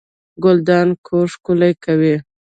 ګلدان کور ښکلی کوي